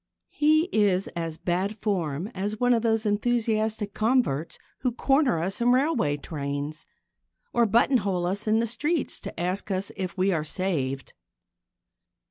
He is as bad form as one of those enthusiastic converts who corner us in railway trains or buttonhole us in the streets to ask us if we are saved.